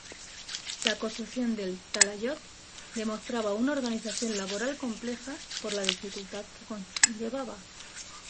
La construcción del talayot demostraba una organización laboral compleja por la dificultad que conllevaba.